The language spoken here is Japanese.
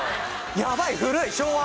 やばい古い昭和。